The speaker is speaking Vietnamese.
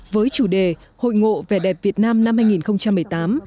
với chủ đề hội ngộ vẻ đẹp việt nam năm hai nghìn một mươi tám